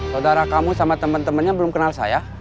saudara kamu sama temen temennya belum kenal saya